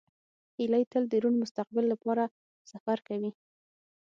هیلۍ تل د روڼ مستقبل لپاره سفر کوي